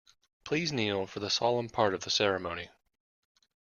Please kneel for the solemn part of the ceremony.